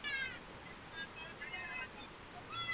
zote kutoka makao makuu ya chama cha kikomunisti huko Moscow